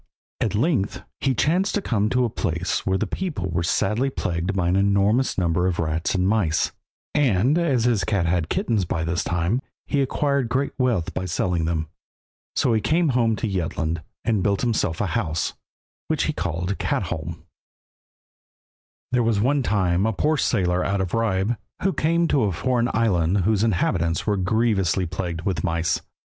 At length he chanced to come to a place where the people were sadly plagued by an enormous number of rats and mice, and as his cat had had kittens by this time, he acquired great wealth by selling them. So he came home to Jutland, and built himself a house, which he called Katholm. There was one time a poor sailor out of Ribe, who came to a foreign island whose inhabitants were grievously plagued with mice.